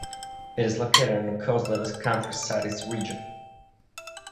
It is located on the coast of the country's Southeast region.